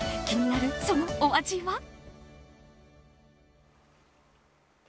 気になるそのお味は。